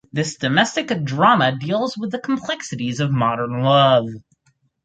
This domestic drama deals with the complexities of modern love.